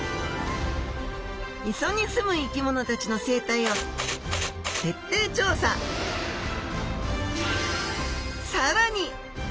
磯に住む生き物たちの生態をさらに！